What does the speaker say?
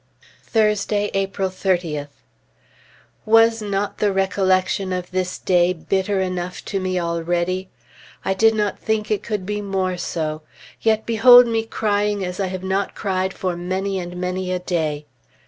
Thursday, April 30th. Was not the recollection of this day bitter enough to me already? I did not think it could be more so. Yet behold me crying as I have not cried for many and many a day.